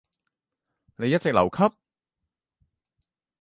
你一直留級？